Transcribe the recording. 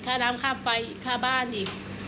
ค่าน้ำค่าไฟอีกค่าบ้านอีก